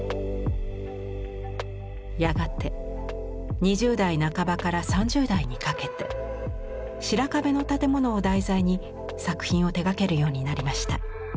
やがて２０代半ばから３０代にかけて白壁の建物を題材に作品を手がけるようになりました。